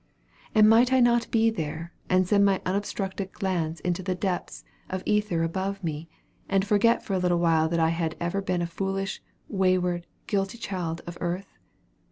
And might I not be there, and send my unobstructed glance into the depths of ether above me, and forget for a little while that I had ever been a foolish, wayward, guilty child of earth?